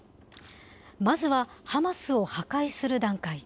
まずはハマスを破壊する段階。